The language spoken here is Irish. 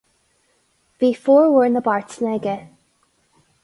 Bhí formhór na bpáirteanna aige.